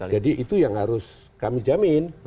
jadi itu yang harus kami jamin